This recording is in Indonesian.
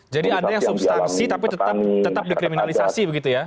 jadi ada yang substansi tapi tetap dikriminalisasi begitu ya